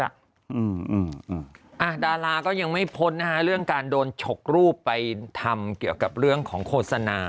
ดาราก็ยังไม่พ้นนะฮะเรื่องการโดนฉกรูปไปทำเกี่ยวกับเรื่องของโฆษณา